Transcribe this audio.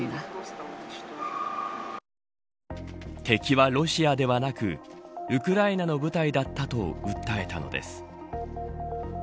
敵はロシアではなくウクライナの部隊だったと訴えたのです。